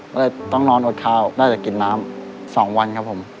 ก็เลยต้องนอนอดข้าวได้แต่กินน้ำ๒วันครับผม